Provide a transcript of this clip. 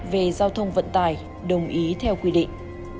về giao thông vận tải đồng ý theo quy định